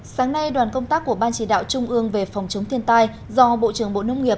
sáng nay đoàn công tác của ban chỉ đạo trung ương về phòng chống thiên tai do bộ trưởng bộ nông nghiệp